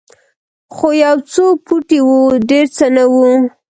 خو یو څو پوټي وو ډېر څه نه وو.